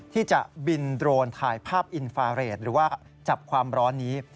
ที่จะบินโดรนถ่ายภาพอินฟาเรทหรือว่าจับความร้อนนี้